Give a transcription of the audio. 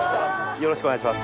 よろしくお願いします。